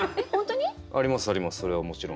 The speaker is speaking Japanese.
それはもちろん。